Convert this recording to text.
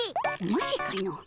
マジかの。